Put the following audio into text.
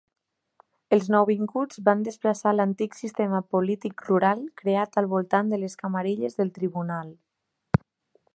Els nouvinguts van desplaçar l'antic sistema polític rural creat al voltant de les camarilles del tribunal.